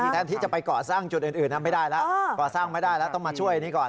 แทนที่จะไปก่อสร้างจุดอื่นไม่ได้แล้วก่อสร้างไม่ได้แล้วต้องมาช่วยนี่ก่อน